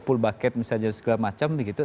pull bucket misalnya segala macam begitu